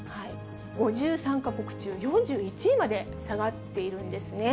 ５３か国中４１位まで下がっているんですね。